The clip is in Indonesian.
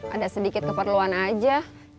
ada sedikit keperluan aja